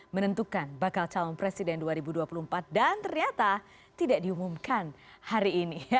menentukan bakal calon presiden dua ribu dua puluh empat dan ternyata tidak diumumkan hari ini